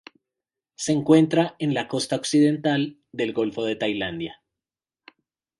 Se encuentra en la costa occidental del golfo de Tailandia.